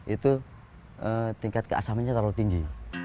itu tingkat keasamannya terlalu tinggi